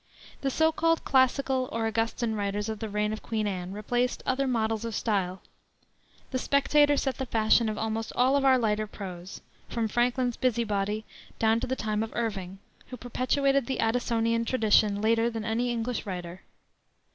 The so called classical or Augustan writers of the reign of Queen Anne replaced other models of style: the Spectator set the fashion of almost all of our lighter prose, from Franklin's Busybody down to the time of Irving, who perpetuated the Addisonian tradition later than any English writer.